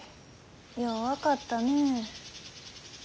よう分かったね。